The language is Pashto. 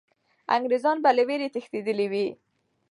انګریزان به له ویرې تښتېدلي وي.